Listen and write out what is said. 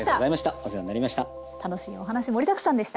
お世話になりました。